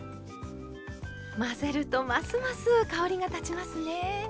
混ぜるとますます香りが立ちますね。